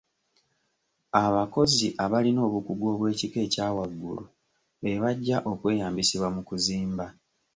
Abakozi abalina obukugu obw'ekika ekya waggulu be bajja okweyambisibwa mu kuzimba.